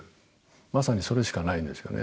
まさにそれしかないですよね。